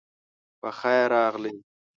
پخير راغلئ